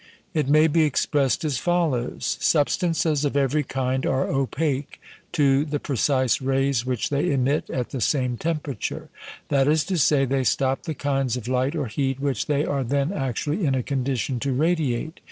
It may be expressed as follows: Substances of every kind are opaque to the precise rays which they emit at the same temperature; that is to say, they stop the kinds of light or heat which they are then actually in a condition to radiate.